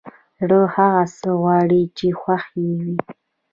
زړه هغه څه غواړي چې خوښ يې وي!